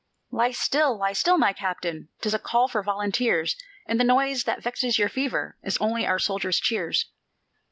"Lie still, lie still, my Captain, 'Tis a call for volunteers; And the noise that vexes your fever Is only our soldiers' cheers."